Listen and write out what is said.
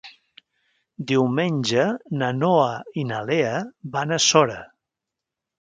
Diumenge na Noa i na Lea van a Sora.